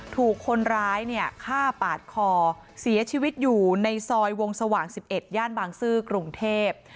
ถูกคนร้ายเนี่ยฆ่าปาดคอเสียชีวิตอยู่ในซอยวงสว่าง๑๑ย่านบางซื่อกรุงเทพ